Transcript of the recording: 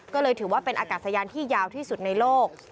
ก็เลยถือว่าเป็นอากาศยานที่ยาวที่สุดในโลก